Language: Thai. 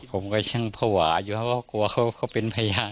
ผมก็ยังภาวะอยู่เพราะว่ากลัวเขาเป็นพยาน